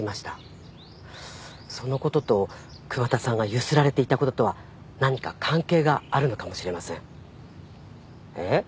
そのことと桑田さんがゆすられていたこととは何か関係があるのかもしれませんえっ？